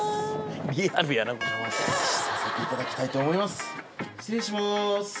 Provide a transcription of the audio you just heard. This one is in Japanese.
お邪魔させていただきたいと思います失礼します。